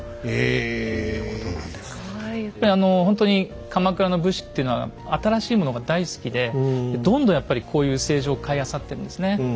やっぱりほんとに鎌倉の武士っていうのは新しいものが大好きでどんどんやっぱりこういう青磁を買いあさってるんですね。